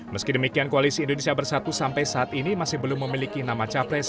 meski demikian koalisi indonesia bersatu sampai saat ini masih belum memiliki nama capres